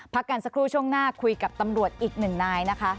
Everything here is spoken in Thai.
พักกันสักครู่ช่วงหน้าคุยกับตำรวจอีกหนึ่งนายนะคะ